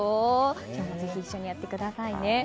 今日もぜひ一緒にやってくださいね。